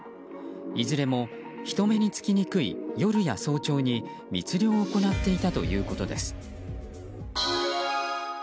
いずれも人目に付きにくい夜や早朝に密漁を行っていたということです。